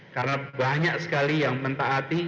karena banyak sekali yang mentaati